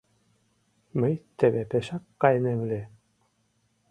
Мый теве пешак кайынем ыле.